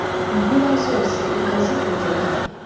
inkuba zose ikazitegeka;